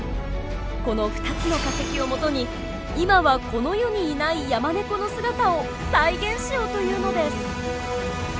この２つの化石をもとに今はこの世にいないヤマネコの姿を再現しようというのです！